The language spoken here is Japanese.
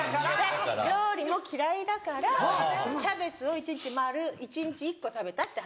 料理も嫌いだからキャベツを丸一日１個食べたって話。